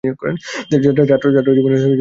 ছাত্র জীবনে তিনি লেখালিখি শুরু করেন।